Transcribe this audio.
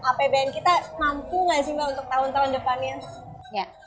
apbn kita mampu nggak sih mbak untuk tahun tahun depannya